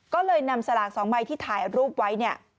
ก็เลยนำสลากสองใบที่ถ่ายรูปไว้